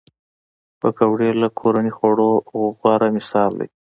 پکورې له کورني خوړو غوره مثال دی